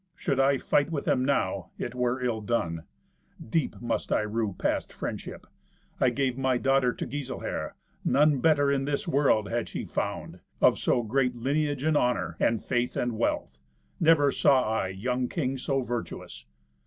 Should I fight with them now, it were ill done. Deep must I rue past friendship. I gave my daughter to Giselher. None better in this world had she found, of so great lineage and honour, and faith, and wealth. Never saw I young king so virtuous."